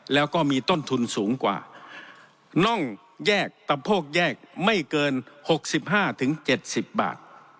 แล้วก็มีต้นทุนสูงกว่าน่องแยกตะโพกแยกไม่เกินหกสิบห้าถึงเจ็ดสิบบาท